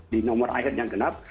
di nomor akhirnya genap